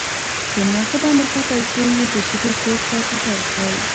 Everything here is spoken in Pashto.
په مناسبه اندازه پیسو یې د ژبې کورس راته پېل کړ.